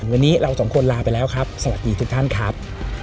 วันนี้เราสองคนลาไปแล้วครับสวัสดีทุกท่านครับ